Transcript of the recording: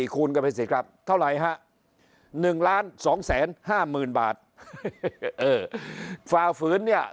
คูณกันไปสิครับเท่าไหร่ฮะ๑๒๕๐๐๐บาทเออฝ่าฝืนเนี่ย